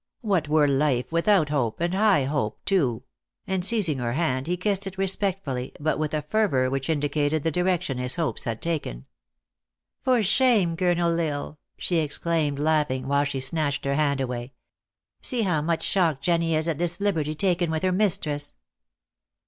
What .were life without hope, and .high hope too !" and seizing her hand he kissed it respectfully but with a fervor which indic ated the direction his hopes had taken. " For shame, Colonel L Isle !" she exclaimed, laugh ing, while she snatched her hand away. "See how much shocked Jenny is at this liberty taken with her mistress!"